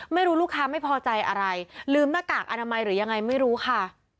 ไม่รู้ลูกค้าไม่พอใจอะไรลืมหน้ากากอนามัยหรือยังไงไม่รู้ค่ะ